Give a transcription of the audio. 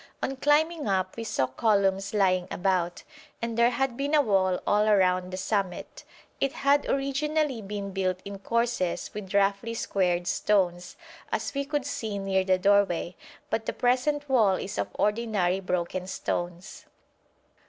On climbing up we saw columns lying about, and there had been a wall all round the summit. It had originally been built in courses with roughly squared stones, as we could see near the doorway, but the present wall is of ordinary broken stones.